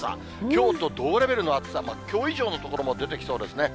きょうと同レベルの暑さ、きょう以上の所も出てきそうですね。